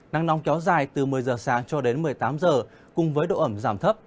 nắng nóng kéo dài từ một mươi giờ sáng cho đến một mươi tám h cùng với độ ẩm giảm thấp